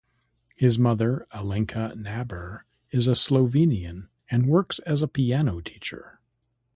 His mother, Alenka Naber, is a Slovenian and works as a piano teacher.